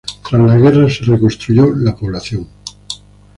Tras la guerra se reconstruyó la población.